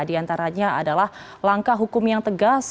diantaranya adalah langkah hukum yang tegas